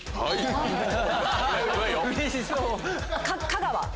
香川。